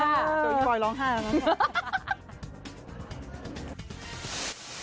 เดี๋ยวพี่บอยร้องห้าแล้วนะ